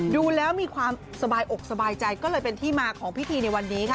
ดูแล้วมีความสบายอกสบายใจก็เลยเป็นที่มาของพิธีในวันนี้ค่ะ